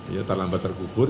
yang terlambat terkubur